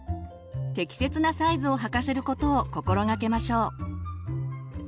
適切なサイズを履かせることを心がけましょう。